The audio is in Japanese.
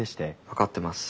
分かってます。